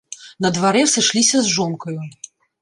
На дварэ сышліся з жонкаю.